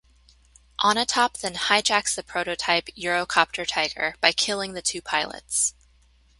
Onatopp then hijacks the prototype Eurocopter Tiger by killing the two pilots.